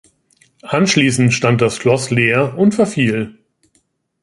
Anschließend stand das Schloss leer und verfiel.